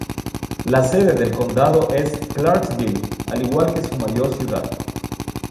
La sede del condado es Clarksville, al igual que su mayor ciudad.